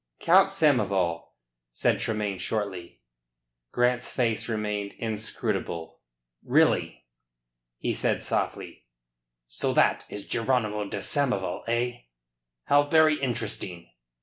"Count Samoval," said Tremayne shortly. Grant's face remained inscrutable. "Really!" he said softly. "So that is Jeronymo de Samoval, eh? How very interesting.